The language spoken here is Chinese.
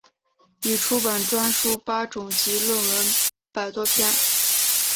已出版专书八种及论文百多篇。